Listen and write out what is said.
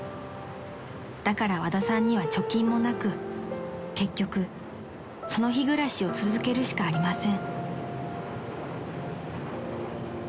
［だから和田さんには貯金もなく結局その日暮らしを続けるしかありません］